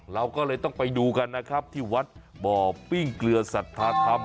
เราก็เลยต้องไปดูกันนะครับที่วัดบ่อปิ้งเกลือสัทธาธรรม